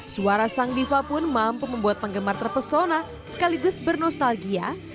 suara sang diva pun mampu membuat penggemar terpesona sekaligus bernostalgia